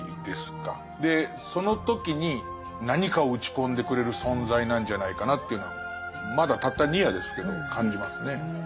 でその時に何かを打ち込んでくれる存在なんじゃないかなっていうのはまだたった２夜ですけど感じますね。